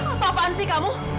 apa apaan sih kamu